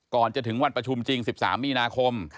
ก่อนจะถึงวันประชุมจริง๑๓มีนาคม